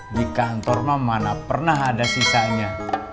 di kantor mana pernah ada sisanya